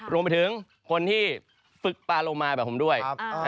รวมไปถึงคนที่ฝึกปลาลงมาแบบผมด้วย